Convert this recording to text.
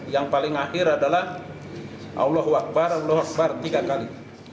yang paling akhir adalah allah akbar allah akbar tiga kali